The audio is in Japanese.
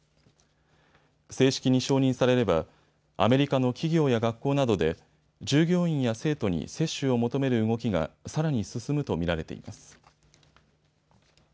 正式に承認されればアメリカの企業や学校などで従業員や生徒に接種を求める動きがさらに進むと見られています。